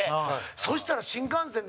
そしたら、新幹線で。